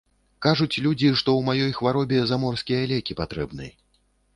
Кажуць людзі, што ў маёй хваробе заморскія лекі патрэбны.